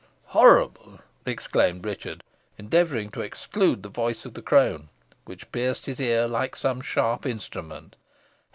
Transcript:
"Horrible!" exclaimed Richard, endeavouring to exclude the voice of the crone, which pierced his ears like some sharp instrument.